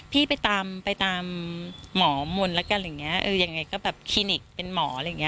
พี่ไปตามหมอมนตร์แล้วกันอย่างไรก็แบบคลีนิกเป็นหมอ